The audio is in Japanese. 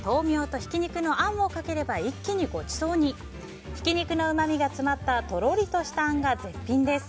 ひき肉のうまみが詰まったトロリとしたあんが絶品です。